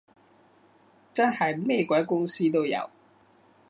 真係咩鬼公司都有